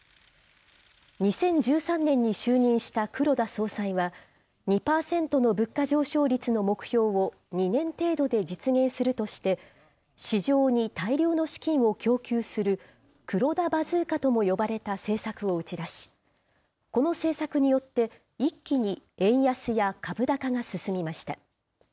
２０１３年に就任した黒田総裁は、２％の物価上昇率の目標を２年程度で実現するとして、市場に大量の資金を供給する、黒田バズーカとも呼ばれた政策を打ち出し、この政策によって、一気に円安や株高が進みました。